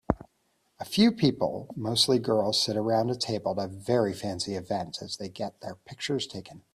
A few people mostly girls sit around a table at a very fancy event as they get their pictures taken